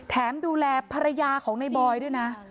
ดูแลภรรยาของในบอยด้วยนะ